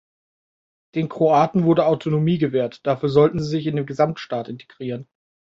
Den Kroaten wurde Autonomie gewährt, dafür sollten sie sich in den Gesamtstaat integrieren.